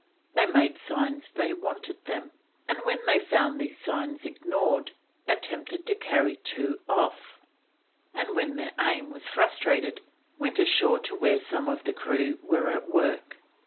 They made signs they wanted them, and when they found these signs ignored, attempted to carry off two, and when their aim was frustrated, went ashore to where some of the crew were at work.